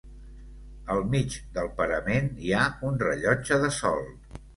Al mig del parament hi ha un rellotge de sol.